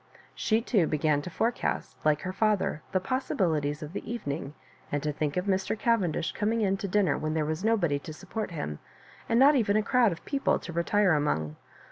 She too began to forecast, like her father, the possibilities of the evening, and to think of Mr. Cavendish coming in to dinner when there was nobody to support him, and not even a crowd of people to retire among.